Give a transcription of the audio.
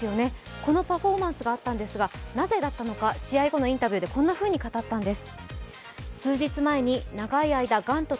このパフォーマンスがあったんですが、なぜだったのか試合後のインタビューでこんなふうに語ったんです。